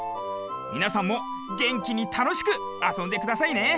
みなさんもげんきにたのしくあそんでくださいね。